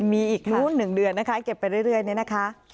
มีอีกรุ่น๑เดือนนะคะเก็บไปเรื่อยนะคะ